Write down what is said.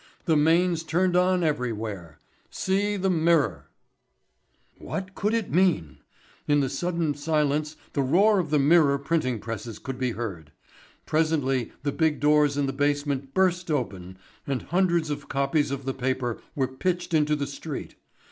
The mains turned on everywhere. See the Mirror." What could it mean? In the sudden silence the roar of the Mirror printing presses could be heard. Presently the big doors in the basement burst open and hundreds of copies of the paper were pitched into the street.